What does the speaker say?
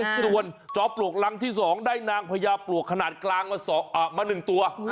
ส่วนจอมปลวกรังที่๒ได้นางพญาปลวกขนาดกลางมา๑ตัว